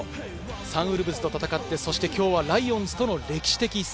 サンウルブズと戦って今日はライオンズとの歴史的一戦。